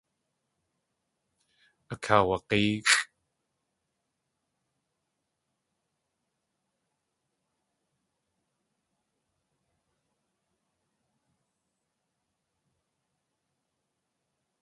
Akaawag̲éexʼ.